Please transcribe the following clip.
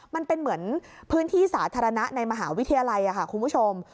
มันเป็นเหมือนพื้นที่สาธารณะในมหาวิทยาลัยค่ะคุณผู้ชม